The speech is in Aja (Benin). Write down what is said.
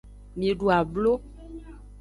Mi du ablo.